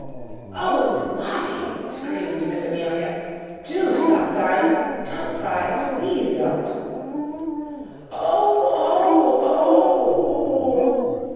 "Oh, Lottie!" screamed Miss Amelia. "Do stop, darling! Don't cry! Please don't!" "Oh! Oh! Oh! Oh! Oh!"